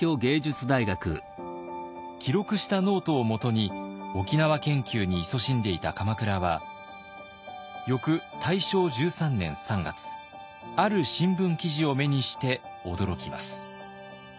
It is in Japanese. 記録したノートをもとに沖縄研究にいそしんでいた鎌倉は翌大正１３年３月ある新聞記事を目にして驚きます。